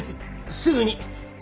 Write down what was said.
すぐに！